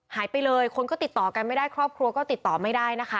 หายไปเลยคนก็ติดต่อกันไม่ได้ครอบครัวก็ติดต่อไม่ได้นะคะ